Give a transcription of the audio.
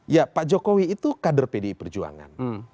ya pak jokowi itu kader pdi perjuangan